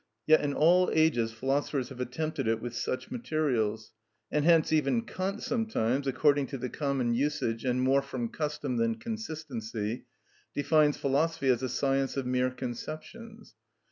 Yet in all ages philosophers have attempted it with such materials; and hence even Kant sometimes, according to the common usage, and more from custom than consistency, defines philosophy as a science of mere conceptions.